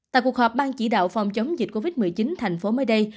tại cuộc họp ban chỉ đạo phòng chống dịch covid một mươi chín thành phố mới đây